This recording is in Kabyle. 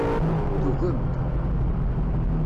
Tugem-d.